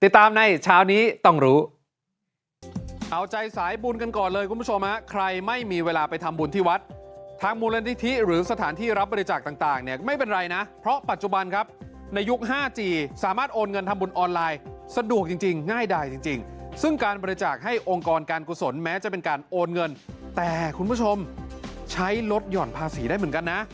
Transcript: ติดตามในเช้านี้ต้องรู้